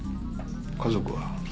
家族は？